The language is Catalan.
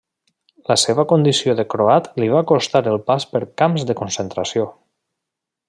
La seva condició de croat li va costar el pas per camps de concentració.